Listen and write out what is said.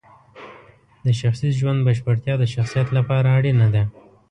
د شخصي ژوند بشپړتیا د شخصیت لپاره اړینه ده.